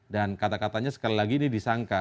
dan kata katanya sekali lagi ini disangka